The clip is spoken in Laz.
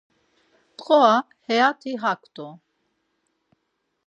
Mdğura iyati ak rt̆u.